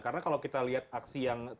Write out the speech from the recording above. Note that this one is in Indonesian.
karena kalau kita lihat aksi aksi misalnya